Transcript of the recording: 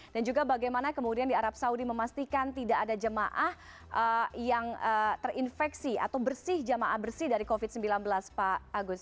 dan juga bagaimana kemudian di arab saudi memastikan tidak ada jemaah yang terinfeksi atau bersih jemaah bersih dari covid sembilan belas pak agus